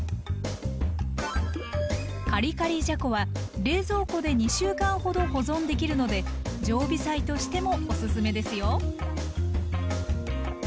カリカリじゃこは冷蔵庫で２週間ほど保存できるので常備菜としてもおすすめですよ。